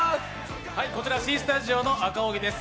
こちらＣスタジオの赤荻です。